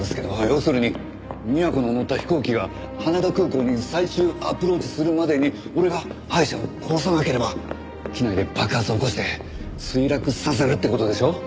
要するに美和子の乗った飛行機が羽田空港に最終アプローチするまでに俺がアイシャを殺さなければ機内で爆発を起こして墜落させるって事でしょ。